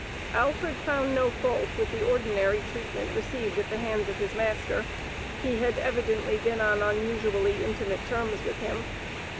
Alfred found no fault with the ordinary treatment received at the hands of his master; he had evidently been on unusually intimate terms with him.